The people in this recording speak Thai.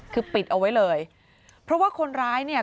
คือปิดเอาไว้เลยเพราะว่าคนร้ายเนี่ย